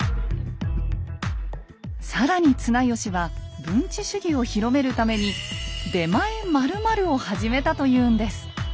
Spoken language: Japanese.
更に綱吉は文治主義を広めるために「出前○○」を始めたというんです。